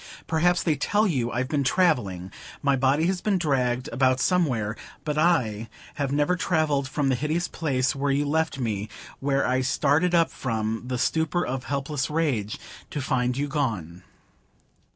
Perhaps they tell you I've been 'travelling.' My body has been dragged about somewhere; but I have never travelled from the hideous place where you left me; where I started up from the stupor of helpless rage to find you gone.